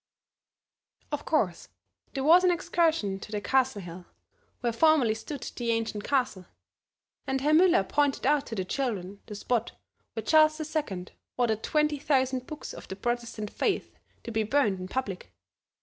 Of course there was an excursion to the Castle hill, where formerly stood the ancient castle; and Herr Müller pointed out to the children the spot where Charles II ordered twenty thousand books of the Protestant faith to be burned in public.